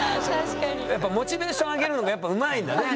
やっぱモチベーション上げるのがやっぱうまいんだね。